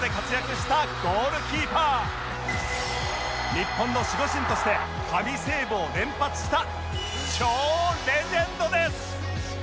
日本の守護神として神セーブを連発した超レジェンドです